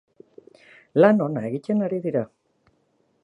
Lan ona egiten ari dira.